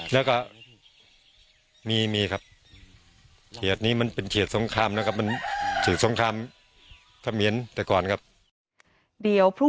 แล้วมันมีอ่าถังป่าทำตหนักแล้วก็